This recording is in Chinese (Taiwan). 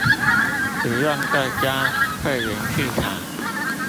不用各家會員去查